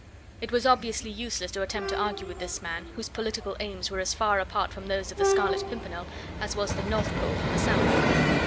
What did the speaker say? It was obviously useless to attempt to argue with this man, whose political aims were as far apart from those of the Scarlet Pimpernel as was the North Pole from the South.